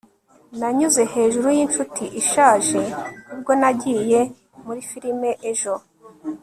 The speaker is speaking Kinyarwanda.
nanyuze hejuru yinshuti ishaje ubwo nagiye muri firime ejo